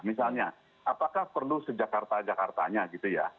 misalnya apakah perlu sejak karta jakartanya gitu ya